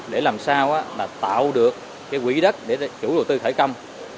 để làm sao tạo được cái quỹ đất để chủ đầu tư khởi công